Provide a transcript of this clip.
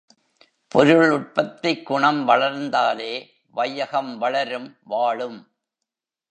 பொருளுற்பத்திக் குணம் வளர்ந்தாலே வையகம் வளரும் வாழும்.